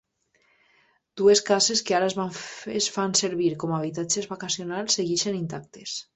Dues cases que ara es fan servir com a habitatges vacacionals segueixen intactes.